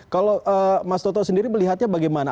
kalau mas toto sendiri melihatnya bagaimana